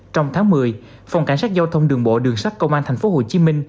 trong tháng một mươi phòng cảnh sát giao thông đường bộ đường sát công an tp hcm